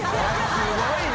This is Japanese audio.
すごい量。